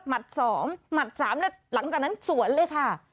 หมัดสองหมัดสามแล้วหลังจากนั้นสวนเลยค่ะ